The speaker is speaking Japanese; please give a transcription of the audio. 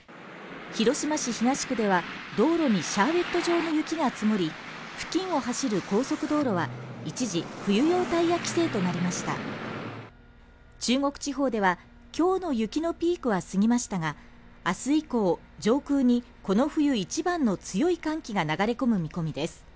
広島市東区では道路にシャーベット状の雪が積もり付近を走る高速道路は一時冬用タイヤ規制となりました中国地方ではきょうの雪のピークは過ぎましたが明日以降上空にこの冬一番の強い寒気が流れ込む見込みです